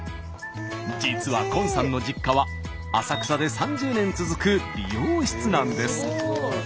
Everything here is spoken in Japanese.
実は今さんの実家は浅草で３０年続く理容室なんです。